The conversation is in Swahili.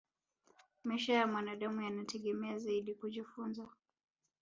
maisha ya mwanadamu yanategemea zaidi kujifunza